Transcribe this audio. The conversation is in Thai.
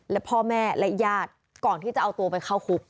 และพ่อแม่และญาติก่อนที่จะเอาตัวไปเข้าคุก